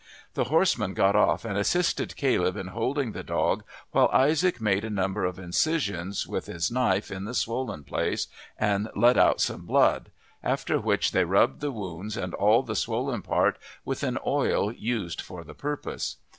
The horseman got off and assisted Caleb in holding the dog while Isaac made a number of incisions with his knife in the swollen place and let out some blood, after which they rubbed the wounds and all the swollen part with an oil used for the purpose.